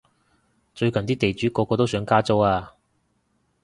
最近啲地主個個都想加租啊